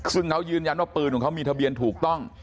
ซึ่งเขายืนยันว่าปืนของเขามีทะเบียนถูกต้อง